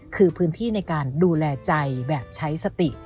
คือพื้นที่ในการดูแลใจแบบใช้สติ